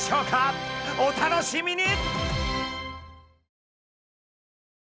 お楽しみに！